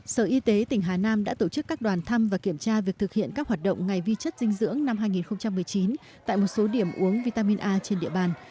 sở y tế tỉnh hà nam đã tổ chức các đoàn thăm và kiểm tra việc thực hiện các hoạt động ngày vi chất dinh dưỡng năm hai nghìn một mươi chín tại một số điểm uống vitamin a trên địa bàn